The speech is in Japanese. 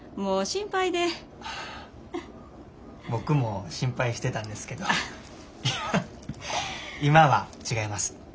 僕も心配してたんですけど今は違います。